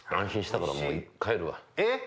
えっ？